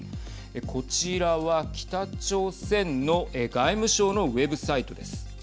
こちらは北朝鮮の外務省のウエブサイトです。